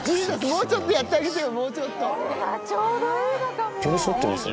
もうちょっとやってあげてよ！